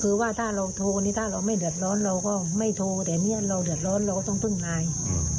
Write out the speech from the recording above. คือว่าถ้าเราโทรนี่ถ้าเราไม่เดือดร้อนเราก็ไม่โทรแต่เนี่ยเราเดือดร้อนเราก็ต้องพึ่งนาย